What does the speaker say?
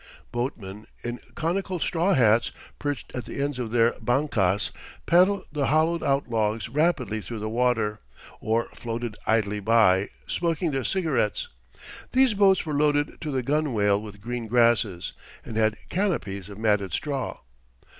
Boatmen, in conical straw hats, perched at the ends of their bancas, paddled the hollowed out logs rapidly through the water, or floated idly by, smoking their cigarettes; these boats were loaded to the gunwale with green grasses, and had canopies of matted straw.